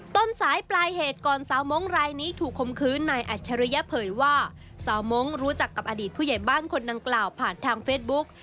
ต้นสายปลายเหตุก่อนสาวมงค์รายนี้ถูกคมคืนนายอัจฉริยเผยว่าสาวมงค์รู้จักกับอดีตผู้ใหญ่บ้านคนดังกล่าวผ่านทางเฟซบุ๊ก